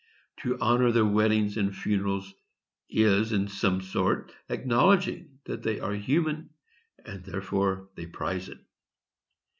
To honor their weddings and funerals is, in some sort, acknowledging that they are human, and therefore they prize it.